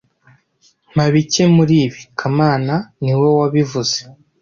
Mpa bike muri ibi kamana niwe wabivuze